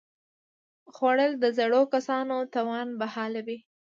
خوړل د زړو کسانو توان بحالوي